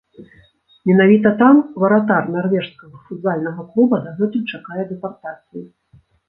Менавіта там варатар нарвежскага футзальнага клуба дагэтуль чакае дэпартацыі.